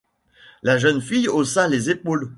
La jeune fille haussa les épaules.